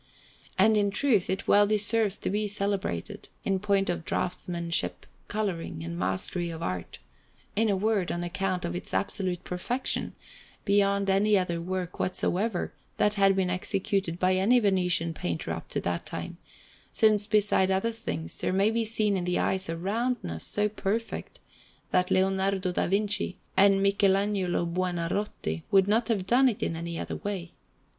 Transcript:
And, in truth, it well deserves to be celebrated, in point of draughtsmanship, colouring, and mastery of art in a word, on account of its absolute perfection beyond any other work whatsoever that had been executed by any Venetian painter up to that time, since, besides other things, there may be seen in the eyes a roundness so perfect, that Leonardo da Vinci and Michelagnolo Buonarroti would not have done it in any other way.